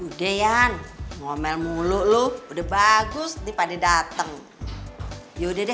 udah yan ngomel mulu lo udah bagus nih pada dateng yaudah deh